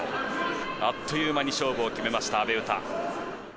あっという間に勝負を決めました阿部詩。